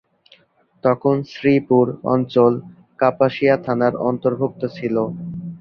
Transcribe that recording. তখন শ্রীপুর অঞ্চল কাপাসিয়া থানার অর্ন্তভুক্ত ছিল।